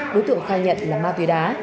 đối tượng khai nhận là ma tùy đá